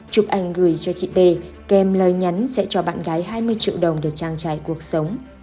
chụp ảnh gửi cho chị p kèm lời nhắn sẽ cho bạn gái hai mươi triệu đồng để trang trải cuộc sống